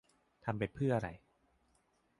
ทำไปเพื่ออะไร